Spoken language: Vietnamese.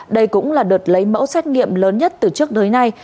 đây cũng là đợt lấy mẫu xét nghiệm lớn nhất từ trước tới nay